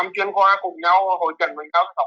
bốn năm chuyên khoa cùng nhau hồi trận với nhau xong